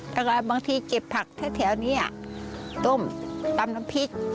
แล้วก็บางทีเก็บผักแถวนี้ต้มตำน้ำพริก